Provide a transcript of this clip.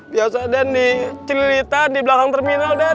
biasa den di celilitan di belakang terminal den